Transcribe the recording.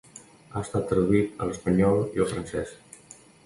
Ha estat traduït a l'espanyol i al francès.